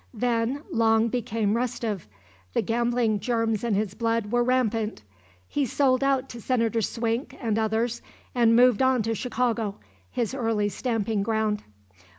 Then Long became restive. The gambling germs in his blood were rampant. He sold out to Senator Swink and others and moved on to Chicago, his early stamping ground.